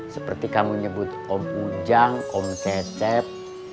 seperti kamu nyebut om ujang om cecep